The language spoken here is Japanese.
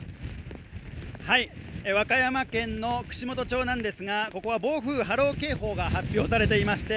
和歌山県の串本町なんですがここは暴風波浪警報が発表されていまして